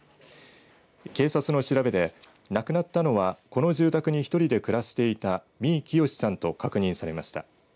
警察の調べで亡くなったのはこの住宅に１人で暮らしていた三井清さんと確認されました。